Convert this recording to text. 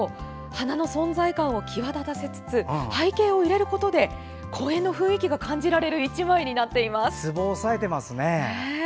花の存在感を際立たせつつ背景を入れることで公園の雰囲気が感じられる１枚になっています。